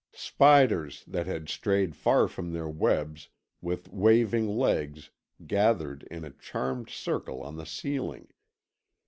Spiders that had strayed far from their webs, with waving legs, gathered in a charmed circle on the ceiling.